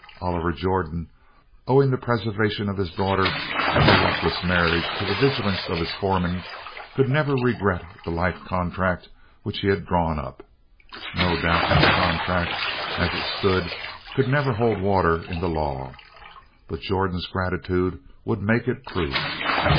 Oliver Jordan, owing the preservation of his daughter from a luckless marriage to the vigilance of his foreman, could never regret the life contract which he had drawn up. No doubt that contract, as it stood, could never hold water in the law. But Jordan's gratitude would make it proof.